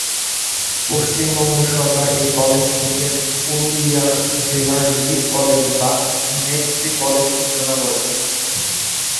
পশ্চিমবঙ্গ সরকার এই কলেজটিকে পুরুলিয়ার জেলার লিড কলেজ বা নেতৃ-কলেজ ঘোষণা করেছেন।